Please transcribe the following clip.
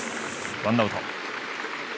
ワンアウト。